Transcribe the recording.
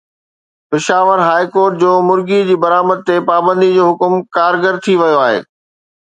Peshawar high court جو مرغي جي برآمد تي پابندي جو حڪم ڪارگر ٿي ويو آهي